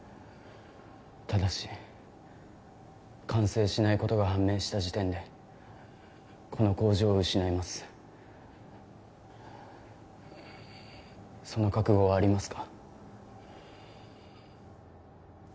ただし完成しないことが判明した時点でこの工場を失いますその覚悟はありますか？